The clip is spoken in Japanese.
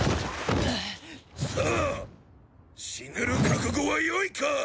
さあ死ぬる覚悟は良いか！